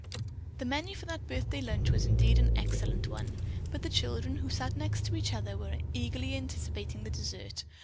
The menu for that birthday lunch was indeed an excellent one, but the children, who sat next to each other, were eagerly anticipating the dessert.